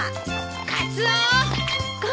カツオ！